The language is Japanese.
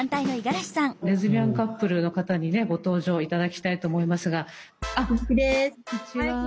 レズビアンカップルの方にねご登場頂きたいと思いますが。